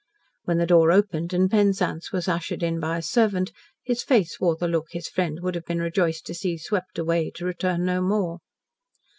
When the door opened and Penzance was ushered in by a servant, his face wore the look his friend would have been rejoiced to see swept away to return no more.